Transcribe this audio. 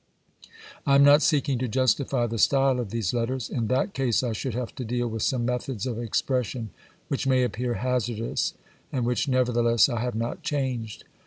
1 am not seeking to justify the style of these letters. In that case I should have to deal with some methods of expression which may appear hazardous and which, never theless, I have not changed.